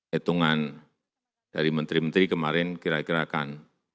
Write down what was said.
hitungan dari menteri menteri kemarin kira kirakan